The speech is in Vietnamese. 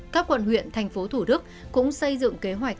các quận huyện tp thủ đức cũng xây dựng kế hoạch